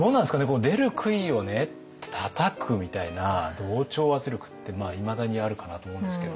この出る杭をたたくみたいな同調圧力っていまだにあるかなと思うんですけど。